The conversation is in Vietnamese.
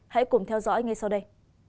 hãy cùng theo dõi ngay sau đây